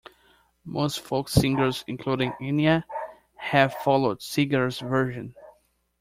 Most folk singers, including Enya, have followed Seeger's version.